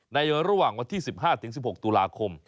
ในระหว่างวันที่๑๕๑๖ตุลาคม